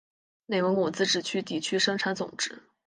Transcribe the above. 内蒙古自治区地区生产总值